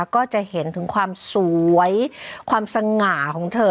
ก็จะเห็นถึงความสวยความสง่าของเธอ